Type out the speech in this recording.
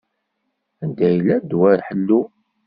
Anda yella ddwa ḥellu?